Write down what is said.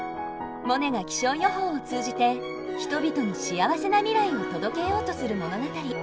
モネが気象予報を通じて人々に幸せな未来を届けようとする物語。